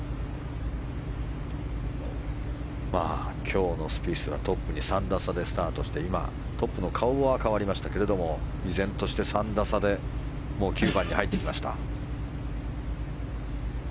今日のスピースはトップに３打差でスタートして今、トップの顔は変わりましたが依然として３打差でもう９番に入ってきました。